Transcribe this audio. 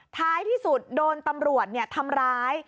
ท้ายที่สุดโดนตำรวจทำร้าย